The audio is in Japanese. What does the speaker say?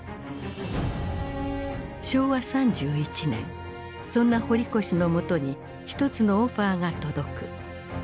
昭和３１年そんな堀越の元に一つのオファーが届く。